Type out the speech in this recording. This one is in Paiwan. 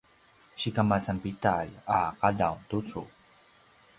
sikamasan pidalj a qadaw tucu?